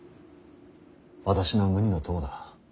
私の無二の友だ。